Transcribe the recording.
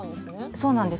そうなんです。